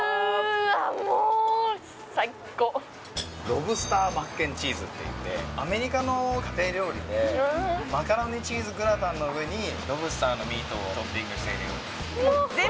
うわもう最高ロブスターマック＆チーズっていってアメリカの家庭料理でマカロニチーズグラタンの上にロブスターのミートをトッピングした料理です